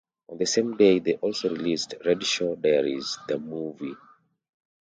On the same day they also released "Red Shoe Diaries - The Movie".